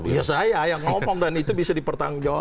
iya saya yang ngomong dan itu bisa dipertanggung jawab